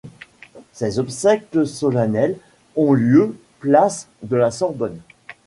Ses obsèques solennelles ont lieu place de la Sorbonne.